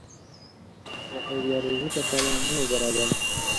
پر ایډیالوژیکه تله نه وو برابر.